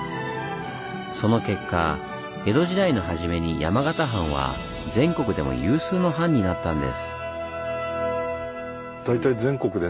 その結果江戸時代の初めに山形藩は全国でも有数の藩になったんです。